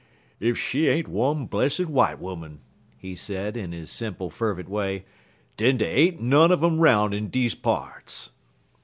"Ef she ain't one blessid w'ite 'oman," he said, in his simple, fervent way, "den dey ain't none un um 'roun' in deze parts."